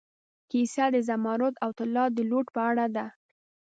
کیسه د زمرد او طلا د لوټ په اړه ده.